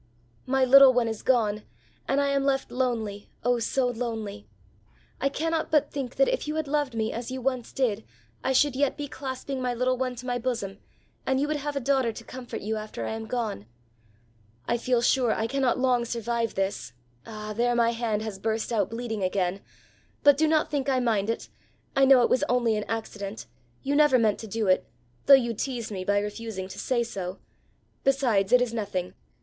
"My little one is gone and I am left lonely oh so lonely. I cannot but think that if you had loved me as you once did I should yet be clasping my little one to my bosom and you would have a daughter to comfort you after I am gone. I feel sure I cannot long survive this ah there my hand has burst out bleeding again, but do not think I mind it, I know it was only an accident, you never meant to do it, though you teased me by refusing to say so besides it is nothing.